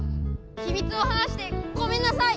ひみつを話してごめんなさい！